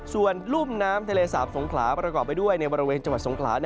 ส่วนรุ่มน้ำทะเลสาบสงขลาประกอบไปด้วยในบริเวณจังหวัดสงขลา